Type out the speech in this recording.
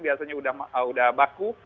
biasanya sudah baku